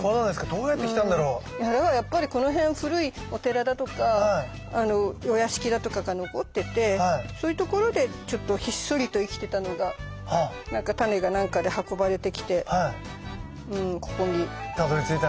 どうやって来たんだろう？だからやっぱりこの辺古いお寺だとかお屋敷だとかが残っててそういう所でひっそりと生きてたのがタネが何かで運ばれてきてここにたどりついたのかな。